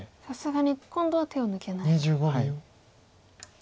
さすがに今度は手を抜けないと。